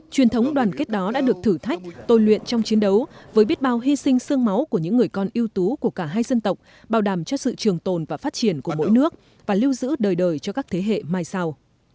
truyền thống đoàn kết đó đã được thử thách tôi luyện trong chiến đấu với biết bao hy sinh sương máu của những người con yêu tú của cả hai dân tộc bảo đảm cho sự trường tồn và phát triển của mỗi nước và lưu giữ đời đời cho các thế hệ mai sau